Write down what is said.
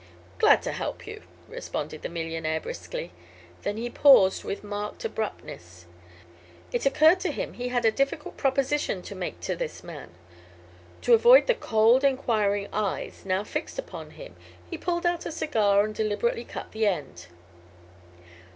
"Glad to help you," responded the millionaire, briskly. Then he paused with marked abruptness. It occurred to him he had a difficult proposition to make to this man. To avoid the cold, enquiring eyes now fixed upon him he pulled out a cigar and deliberately cut the end.